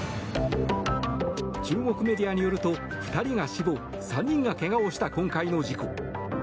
中国メディアによると２人が死亡３人がけがをした今回の事故。